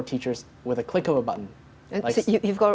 jadi kamu sudah memiliki alat ini